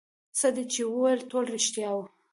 څه دې چې وويل ټول رښتيا وو.